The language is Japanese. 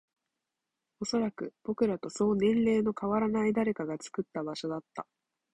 おそらく、僕らとそう年齢の変わらない誰かが作った場所だった